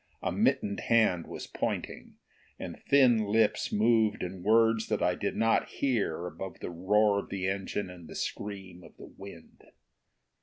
A mittened hand was pointing, and thin lips moved in words that I did not hear above the roar of the engine and the scream of the wind.